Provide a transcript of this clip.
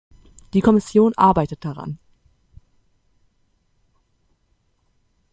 Die Kommission arbeitet daran.